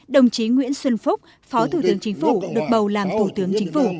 đồng chí nguyễn xuân phúc phó thủ tướng chính phủ được bầu làm thủ tướng chính phủ